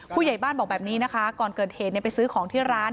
ผู้ใหญ่บ้านบอกแบบนี้นะคะก่อนเกิดเหตุไปซื้อของที่ร้าน